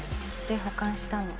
で保管したの。